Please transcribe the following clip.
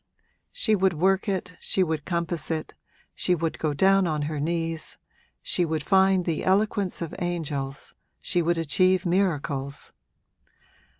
She would work it, she would compass it, she would go down on her knees, she would find the eloquence of angels, she would achieve miracles.